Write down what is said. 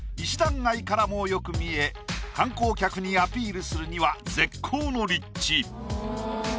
街からもよく見え観光客にアピールするには絶好の立地。